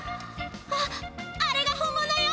あっあれが本物よ！